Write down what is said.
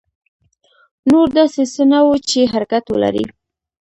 نور داسې څه نه وو چې حرکت ولري.